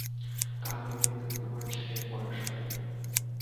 কাল হইতে তুমি তোমার ছেলের বয়স পাইবে।